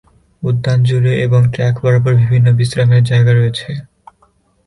উদ্যান জুড়ে এবং ট্র্যাক বরাবর বিভিন্ন বিশ্রামের জায়গা রয়েছে।